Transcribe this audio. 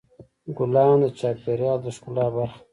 ګلان د چاپېریال د ښکلا برخه ده.